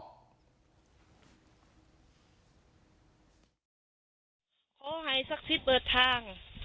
โคไฮศักดิ์สิทธิ์เปิดทาง